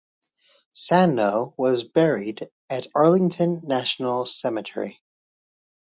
Sanno was buried at Arlington National Cemetery.